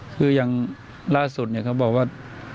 คืออย่างล่าสุดเขาบอกว่า